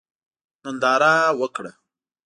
ننداره وکړه.